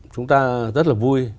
chúng ta rất là vui